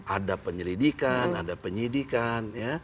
ada penyelidikan ada penyidikan